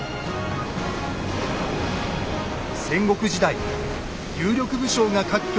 戦国時代有力武将が割拠していた佐渡。